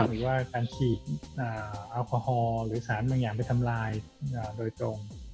หรือว่าการฉีดแอลกอฮอล์หรือสารบางอย่างไปทำลายโดยตรง